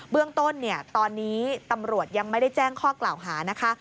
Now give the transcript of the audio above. เรื่องต้นตอนนี้ตำรวจยังไม่ได้แจ้งข้อกล่าวหานะคะ